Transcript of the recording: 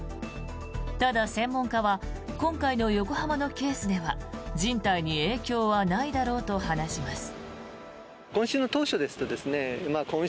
ただ、専門家は今回の横浜のケースでは人体に影響はないだろうと話します。